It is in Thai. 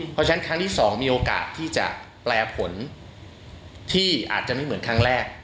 เพราะฉะนั้นครั้งที่๒มีโอกาสที่จะแปลผลที่อาจจะไม่เหมือนครั้งแรก